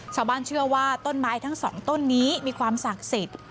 ชาวบ้านเชื่อว่าต้นไม้ทั้งสองต้นนี้มีความศักดิ์สิทธิ์